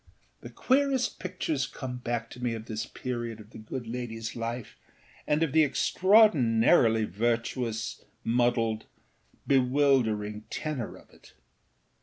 The queerest pictures come back to me of this period of the good ladyâs life and of the extraordinarily virtuous, muddled, bewildering tenor of it.